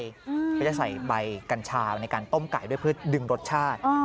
ก็จะใส่ใบกัญชาในการต้มไก่ด้วยเพื่อดึงรสชาติ